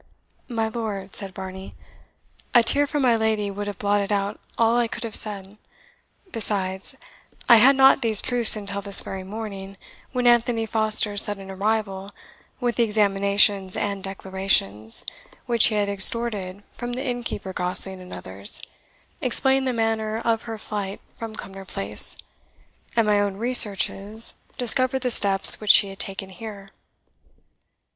"My lord," said Varney, "a tear from my lady would have blotted out all I could have said. Besides, I had not these proofs until this very morning, when Anthony Foster's sudden arrival with the examinations and declarations, which he had extorted from the innkeeper Gosling and others, explained the manner of her flight from Cumnor Place, and my own researches discovered the steps which she had taken here."